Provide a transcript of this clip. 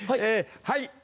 はい。